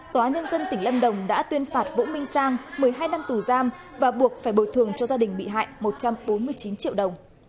tòa nhân dân tỉnh lâm đồng đã tuyên phạt vũ minh sang một mươi hai năm tù giam và buộc phải bồi thường cho gia đình bị hại một trăm bốn mươi chín triệu đồng